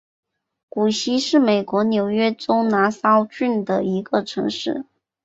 谷溪是美国纽约州拿骚郡的一个城市。